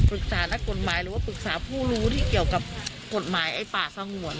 ปรึกษาและกฎหมายหรือว่าปรึกษาผู้รู้ที่เกี่ยวกับกฎหมายไอ้ป่าสงวน